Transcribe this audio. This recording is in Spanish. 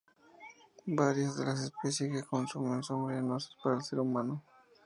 Varias de las especies que consumen son venenosas para el ser humano.